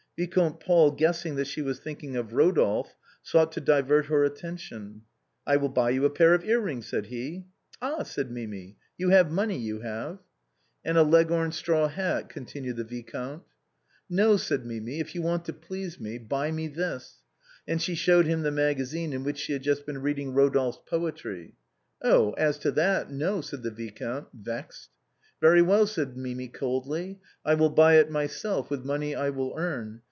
Vicomte Paul guessing that she was thinking of Rodolphe, sought to divert her attention, " I will buy you a pair of earrings," said he, "Ah !" said Mimi, " you have money, you have." EPILOGUE TO THE LOVES OF RODOLPHE AND MIMI. Zll " And a Leghorn straw hat," continued the viscount. " No," said Mimi, " if you want to please me, buy me this." And she showed him the magazine in which she had just been reading Rodolphe's poetry. " Oh ! as to that, no," said the viscount, vexed. " Very well," said Mimi, coldly, " I will buy it myself with money I will earn.